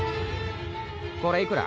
これいくら？